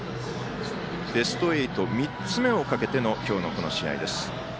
ベスト８、３つ目をかけての今日のこの試合です。